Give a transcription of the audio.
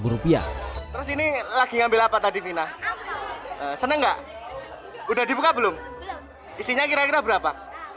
seratus rupiah ini lagi ambil apa tadi bina seneng nggak udah dibuka belum isinya kira kira berapa